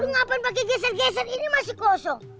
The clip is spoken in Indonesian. lo ngapain pake geser geser ini masih kosong